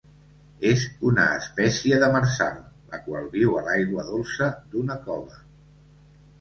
És una espècie demersal, la qual viu a l'aigua dolça d'una cova.